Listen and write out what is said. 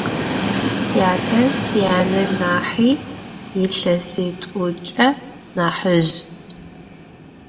Syate syane nahi yilhesit'uç'e nahızj.